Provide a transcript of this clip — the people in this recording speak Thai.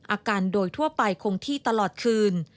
อาการโดยทั่วไปคงที่ตลอดคืน